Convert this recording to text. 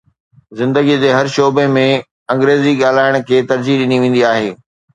زندگيءَ جي هر شعبي ۾ انگريزي ڳالهائڻ کي ترجيح ڏني ويندي آهي